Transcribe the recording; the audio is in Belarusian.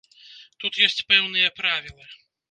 Тут ёсць пэўныя правілы.